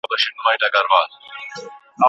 اقتصاد د توکو د ویش او تبادلې علم دی.